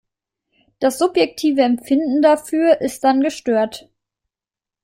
Das subjektive Empfinden dafür ist dann gestört.